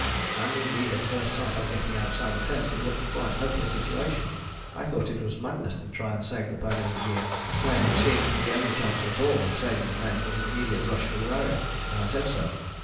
And indeed at first sight on getting outside the tent it looked a quite hopeless situation. I thought it was madness to try and save the ponies and gear when, it seemed, the only chance at all of saving the men was an immediate rush for the Barrier, and I said so.